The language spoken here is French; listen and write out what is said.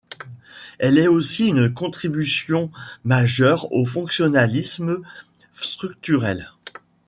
Elle est aussi une contribution majeure au fonctionnalisme structurel.